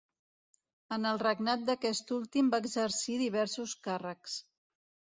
En el regnat d'aquest últim va exercir diversos càrrecs.